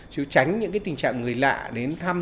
chứ tránh những tình trạng người lạ đến thăm